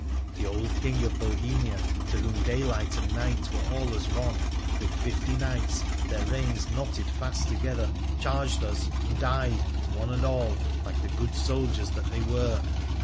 The old King of Bohemia, to whom daylight and night were all as one, with fifty knights, their reins knotted fast together, charged us, and died, one and all, like the good soldiers that they were.